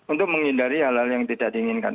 untuk menghindari hal hal yang tidak diinginkan